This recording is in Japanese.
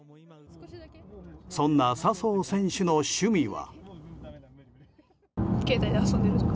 そんな笹生選手の趣味は。